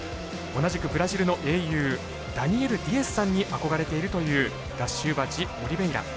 同じくブラジルの英雄ダニエル・ディアスさんに憧れているというダシウバジオリベイラ。